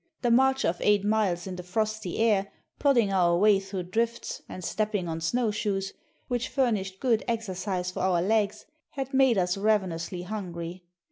The march of eight miles in the frosty air, plodding our way through drifts, and stepping on snow shoes, which furnished good exercise for our legs, had made us ravenously hungry.